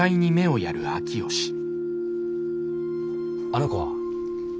あの子は？